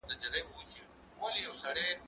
زه پرون کتاب وليکه؟!